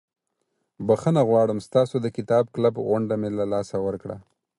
بخښنه غواړم ستاسو د کتاب کلب غونډه مې له لاسه ورکړه.